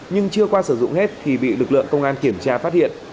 nhưng chưa qua sử dụng hết thì bị lực lượng công an kiểm tra phát hiện